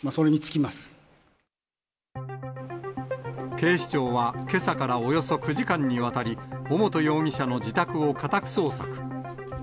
警視庁は、けさからおよそ９時間にわたり、尾本容疑者の自宅を家宅捜索。